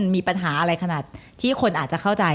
มีปัญหาอะไรขนาดที่คนอาจจะเข้าใจ